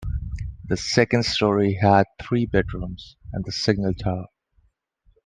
The second story had three bedrooms and the signal tower.